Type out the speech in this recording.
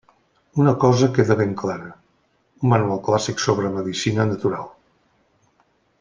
Una cosa queda ben clara: un manual clàssic sobre medicina natural.